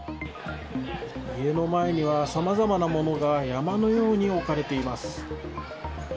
家の前には、さまざまなものが山のように置かれています。